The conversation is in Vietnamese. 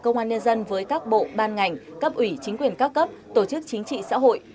công an nhân dân với các bộ ban ngành cấp ủy chính quyền các cấp tổ chức chính trị xã hội